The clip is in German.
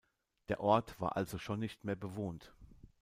Der Ort war also schon nicht mehr bewohnt.